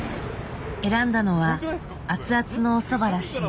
選んだのは熱々のおそばらしい。